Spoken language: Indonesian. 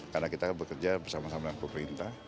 karena kita bekerja bersama sama dengan pemerintah